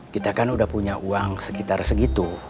kita kan udah punya uang sekitar segitu